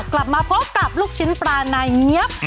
กลับมาพบกับลูกชิ้นปลาในเงี๊ยบ